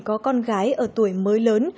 có con gái ở tuổi mới lớn